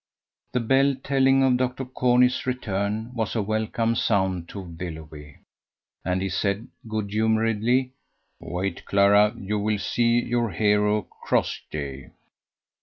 The bell telling of Dr. Corney's return was a welcome sound to Willoughby, and he said good humouredly: "Wait, Clara, you will see your hero Crossjay."